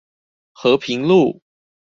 和平路